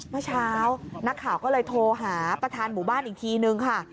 เมื่อเช้านักข่าวก็เลยโทรหาประธานหมู่บ้านอีกทีนึงค่ะ